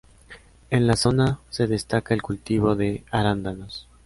En la zona se destaca el cultivo de arándanos.